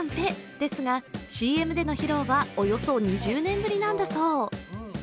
ですが、ＣＭでの披露はおよそ２０年ぶりなんだそう。